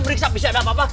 meriksa bisa ada apa apa